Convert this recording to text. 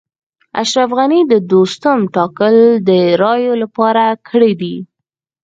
اشرف غني د دوستم ټاکل د رایو لپاره کړي دي